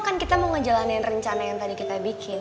kan kita mau ngejalanin rencana yang tadi kita bikin